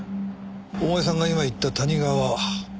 お前さんが今言った谷川。